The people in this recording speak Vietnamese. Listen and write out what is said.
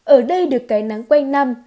ở đây được cái nắng quen năm